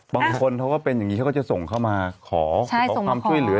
บางคนเขาก็เป็นอย่างนี้เขาก็จะส่งเข้ามาขอความช่วยเหลือ